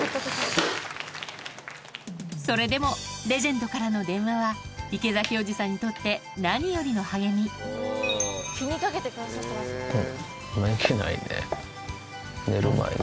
それでもレジェンドからの電話は池崎おじさんにとって何よりの励みめげないね寝る前に。